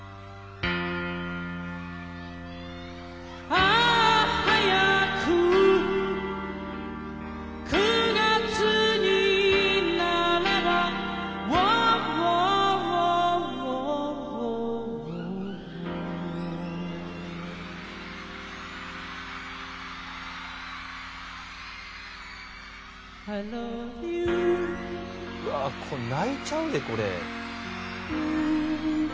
「うわー！泣いちゃうでこれ」